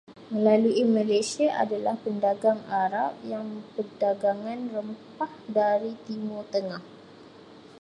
Melalui Malaysia adalah pedagang Arab yang Perdagangan rempah dari Timur Tengah.